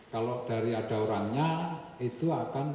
kalau dari ada urannya ada yang diangkat